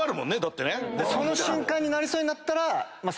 その瞬間になりそうになったら。